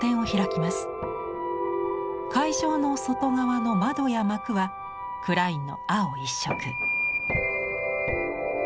会場の外側の窓や幕はクラインの青一色。